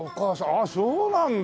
ああそうなんだ。